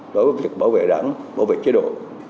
đối với việc bảo vệ đảng bảo vệ chế độ